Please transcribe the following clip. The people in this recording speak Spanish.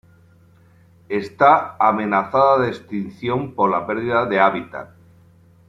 Está amenazada de extinción por la perdida de hábitat.